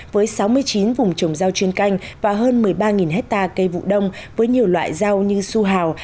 với sáu mươi chín vùng trồng rau chuyên canh và hơn một mươi ba hectare cây vụ đông với nhiều loại rau như su hào